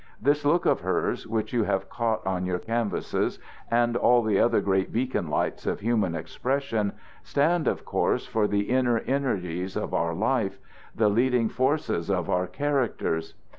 This look of hers, which you have caught on your canvases, and all the other great beacon lights of human expression, stand of course for the inner energies of our lives, the leading forces of our characters.